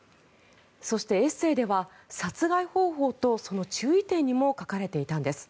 そしてエッセーでは殺害方法とその注意点にも書かれていたんです。